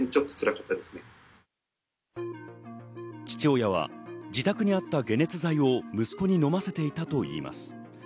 父親は自宅にあった解熱剤を息子にのませていたといいます。